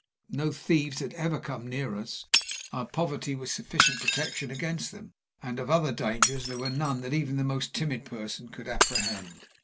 No thieves had ever come near us; our poverty was sufficient protection against them; and of other dangers there were none that even the most timid person could apprehend.